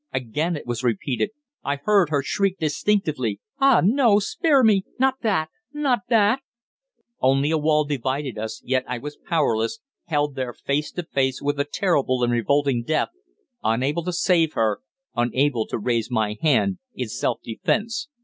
Again it was repeated. I heard her shriek distinctly "Ah! No, spare me! Not that not that!" Only a wall divided us, yet I was powerless, held there face to face with a terrible and revolting death, unable to save her, unable to raise my hand in self defence.